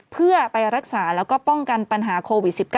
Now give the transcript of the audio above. เพื่อไปรักษาแล้วก็ป้องกันปัญหาโควิด๑๙